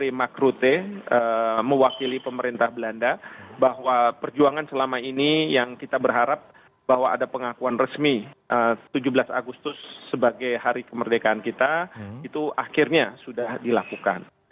ini mewakili pemerintah belanda bahwa perjuangan selama ini yang kita berharap bahwa ada pengakuan resmi tujuh belas agustus sebagai hari kemerdekaan kita itu akhirnya sudah dilakukan